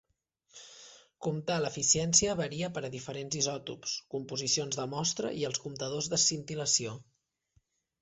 Comptar l'eficiència varia per a diferents isòtops, composicions de Mostra i els comptadors de scintillació.